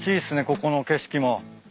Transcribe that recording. ここの景色も。